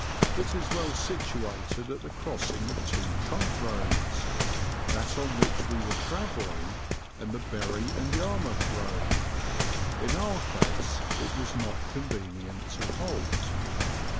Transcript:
It is well situated at the crossing of two trunk roads, that on which we were travelling and the Bury and Yarmouth road. In our case it was not convenient to halt.